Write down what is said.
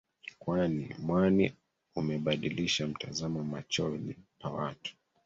Mwani umebadilisha mtazamo machoni pa watu